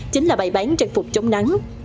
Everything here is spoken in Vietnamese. chính là bài bán trang phục chống nắng